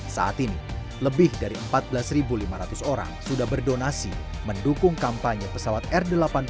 saat ini lebih dari empat belas lima ratus orang sudah berdonasi mendukung kampanye pesawat r delapan puluh